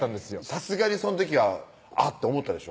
さすがにその時はあっと思ったでしょ？